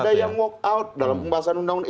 ada yang walk out dalam pembahasan undang undang